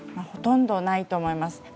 ほとんどないと思います。